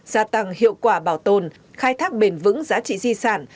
gia tăng hiệu quả bảo tồn khai thác bền vững giá trị di sản